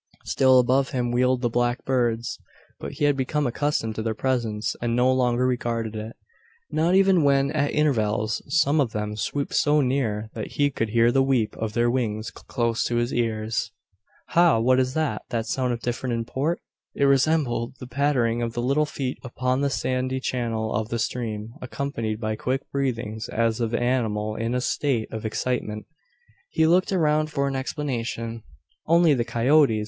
Still above him wheeled the black birds; but he had become accustomed to their presence, and no longer regarded it not even when, at intervals, some of them swooped so near, that he could hear the "wheep" of their wings close to his ears. Ha! what was that that sound of different import? It resembled the pattering of little feet upon the sandy channel of the stream, accompanied by quick breathings, as of animal in a state of excitement. He looked around for an explanation. "Only the coyotes!"